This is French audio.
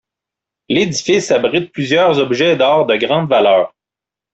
L'édifice abrite plusieurs objets d'art de grande valeur.